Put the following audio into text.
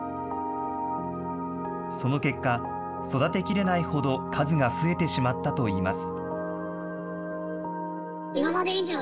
その結果、育てきれないほど数が増えてしまったといいます。